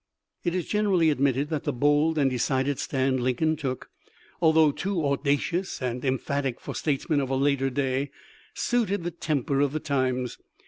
It is generally admitted that the bold and decided stand Lincoln took — though too audacious and emphatic for statesmen of a later day — suited the temper of the times.